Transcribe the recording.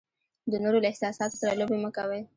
د نورو له احساساتو سره لوبې مه کوئ.